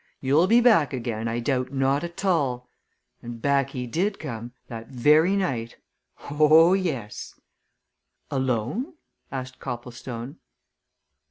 'You'll be back again I doubt not at all!' And back he did come that very night. Oh, yes!" "Alone?" asked Copplestone.